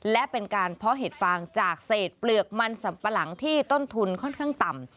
และเป็นการเพาะเห็ดฟางจากเศษเปลือกมันสัมปะหลังที่ต้นทุนค่อนข้างต่ำ